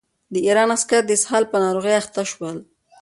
د ایران عسکر د اسهال په ناروغۍ اخته شول.